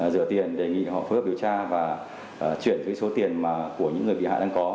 rửa tiền đề nghị họ phối hợp điều tra và chuyển số tiền mà của những người bị hại đang có